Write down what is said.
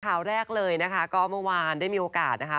ข่าวแรกเลยนะคะก็เมื่อวานได้มีโอกาสนะคะ